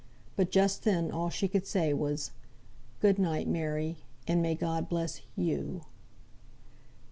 But just then all she could say was, "Good night, Mary, and may God bless you."